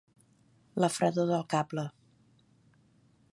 La fredor del cable.